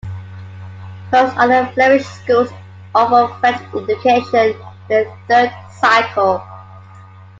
Most other Flemish schools offer French education in the third cycle.